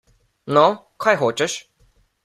No, kaj hočeš?